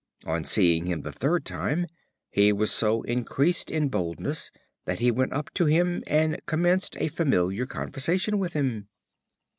On seeing him the third time, he so increased in boldness that he went up to him, and commenced a familiar conversation with him.